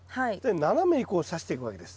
斜めにこうさしていくわけです。